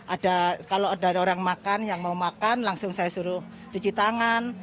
ada kalau ada orang makan yang mau makan langsung saya suruh cuci tangan